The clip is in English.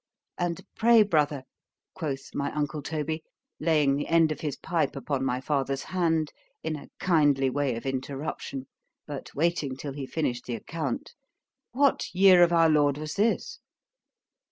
—And pray, brother, quoth my uncle Toby, laying the end of his pipe upon my father's hand in a kindly way of interruption—but waiting till he finished the account—what year of our Lord was this?